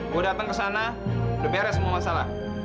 mau datang ke sana udah beres semua masalah